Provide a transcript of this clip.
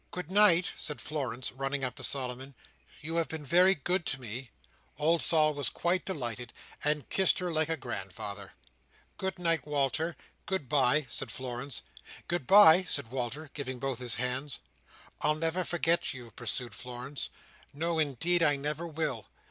"Good night!" said Florence, running up to Solomon. "You have been very good to me." Old Sol was quite delighted, and kissed her like her grand father. "Good night, Walter! Good bye!" said Florence. "Good bye!" said Walter, giving both his hands. "I'll never forget you," pursued Florence. "No! indeed I never will.